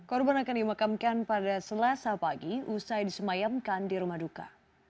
korban akan dimakamkan pada selasa pagi usai disemayamkan di rumah duka